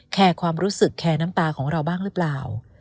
ความรู้สึกแคร์น้ำตาของเราบ้างหรือเปล่า